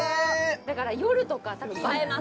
だから夜とかたぶん映えます